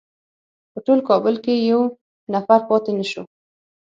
په ټول کابل کې یو نفر پاتې نه شو.